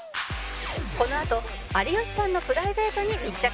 このあと有吉さんのプライベートに密着します